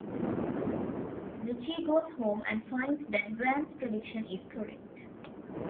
Ritchie goes home and finds that Grant's prediction is correct.